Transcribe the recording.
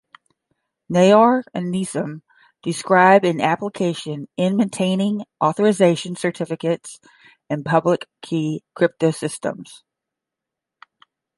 Naor and Nissim describe an application in maintaining authorization certificates in public-key cryptosystems.